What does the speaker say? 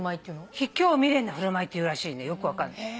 「ひきょう未練なふるまい」っていうらしいねよく分かんない。